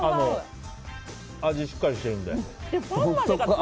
味がしっかりしてるので。